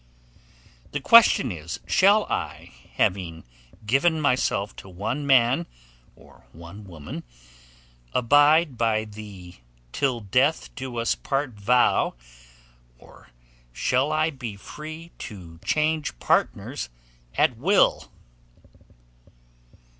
The question is shall I, having given myself to one man or one woman, abide by the till death do us part vow, or shall I be free to change partners at will?